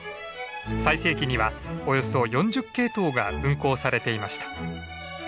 最盛期にはおよそ４０系統が運行されていました。